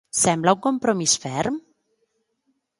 Sembla un compromís ferm?